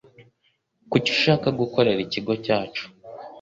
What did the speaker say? Kuki ushaka gukorera ikigo cyacu?